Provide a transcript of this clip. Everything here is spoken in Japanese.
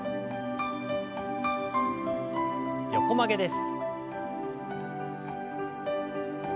横曲げです。